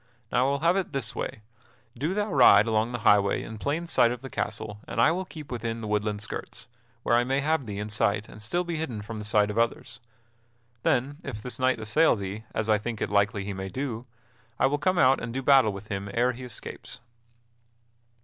Now I will have it this way; do thou ride along the highway in plain sight of the castle, and I will keep within the woodland skirts, where I may have thee in sight and still be hidden from the sight of others. Then if this knight assail thee, as I think it likely he may do, I will come out and do battle with him ere he escapes."